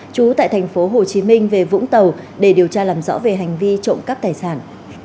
chú tại tp hồ chí minh về vũng tàu để điều tra làm rõ về hành vi trộm cắp tài sản